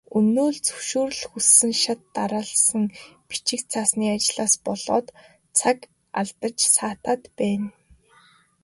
Өнөө л зөвшөөрөл хүссэн шат дараалсан бичиг цаасны ажлаас болоод цаг алдаж саатаад байна.